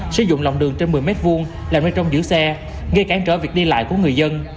sử dụng lòng đường trên một mươi m hai làm bên trong giữ xe gây cản trở việc đi lại của người dân